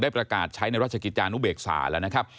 ประกาศใช้ในราชกิจจานุเบกษาแล้วนะครับ